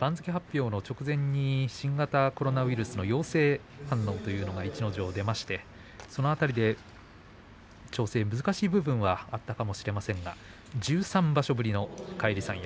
番付発表の直前に新型コロナウイルスの陽性反応というのが逸ノ城、出ましてその辺りで調整が難しい部分があったかもしれませんが１３場所ぶりの返り三役